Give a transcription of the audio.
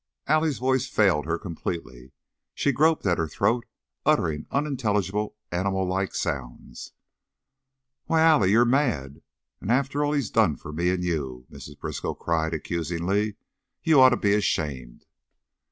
Allie's voice failed her completely, she groped at her throat, uttering unintelligible, animal like sounds. "Why, Allie, you're mad! And after all he done for me an' you," Mrs. Briskow cried, accusingly. "You oughter be ashamed."